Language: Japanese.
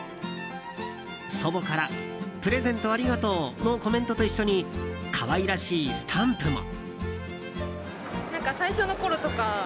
祖母からプレゼントありがとうのコメントと一緒に可愛らしいスタンプも。